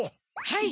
はい！